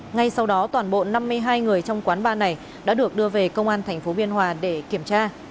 ngay sau đó toàn bộ năm mươi hai người trong quán bar này đã được đưa về công an tp biên hòa để kiểm tra